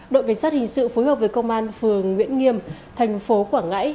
đội cảnh sát hình sự phối hợp với công an phường nguyễn nghiêm thành phố quảng ngãi